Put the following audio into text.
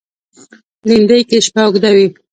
لېندۍ کې شپه اوږده وي.